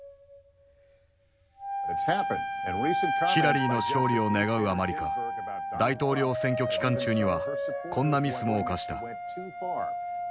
ヒラリーの勝利を願うあまりか大統領選挙期間中にはこんなミスも犯した。